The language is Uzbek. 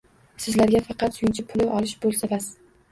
Sizlarga faqat suyunchi puli olish bo`lsa bas